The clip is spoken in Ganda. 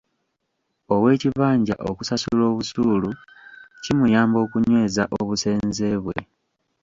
Ow'ekibanja okusasula obusuulu kimuyamba okunyweza obusenze bwe.